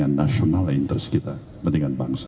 kepentingan nasional interest kita kepentingan bangsa